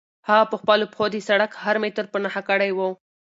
هغه په خپلو پښو د سړک هر متر په نښه کړی و.